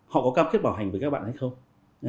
họ có cam kết bảo hành với các bạn hay không